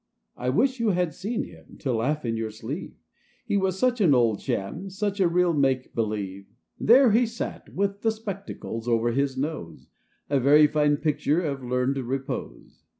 I wish you had seen him — to laugh in your sleeve : He was such an old sham — such a real make be lieve ! THE OLD BEAR. 61 There he sat with the spectacles over his nose, A very fine picture of learned repose.